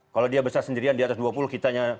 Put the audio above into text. kalau dia besar sendirian di atas dua puluh kitanya